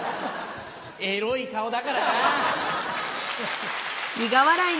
エロい顔だからな。